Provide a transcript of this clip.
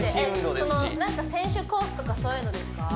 そのなんか選手コースとかそういうのですか？